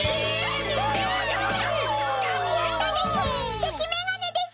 やったです！